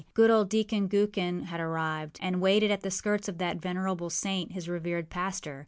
Good old Deacon Gookin had arrived, and waited at the skirts of that venerable saint, his revered pastor.